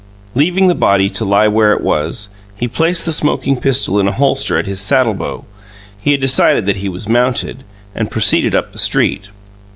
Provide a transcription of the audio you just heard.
Leaving the body to lie where it was, he placed the smoking pistol in a holster at his saddlebow he had decided that he was mounted and proceeded up the street.